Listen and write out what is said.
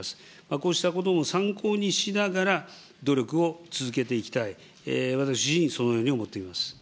こうしたことも参考にしながら、努力を続けていきたい、私自身、そのように思っています。